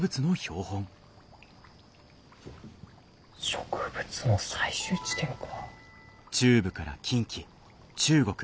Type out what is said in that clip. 植物の採集地点か。